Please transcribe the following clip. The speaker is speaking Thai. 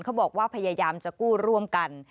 เขาบอกว่าพยายามจะกู้ร่วมกัน